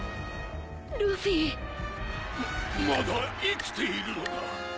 ルフィままだ生きているのか。